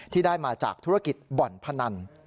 ที่ได้มาจากธุรกิจบ่อนพนัน